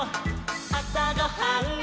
「あさごはん」「」